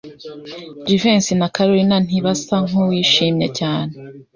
Jivency na Kalorina ntibasa nkuwishimye cyane.